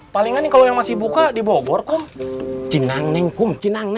palingan kalau yang masih buka dibobor kum